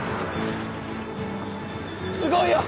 すごいよ！